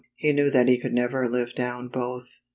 He knew that he could never live down both.